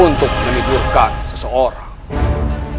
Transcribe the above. untuk menidurkan seseorang